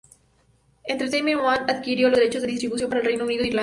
Entertainment One adquirió los derechos de distribución para el Reino Unido e Irlanda.